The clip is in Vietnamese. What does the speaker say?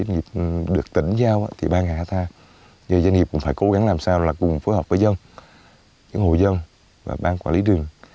giờ doanh nghiệp cũng phải cố gắng làm sao là cùng phối hợp với dân những hồ dân và bán quản lý đường